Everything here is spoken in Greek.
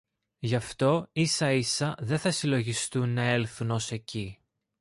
Γι' αυτό ίσα-ίσα δε θα συλλογιστούν να έλθουν ως εκεί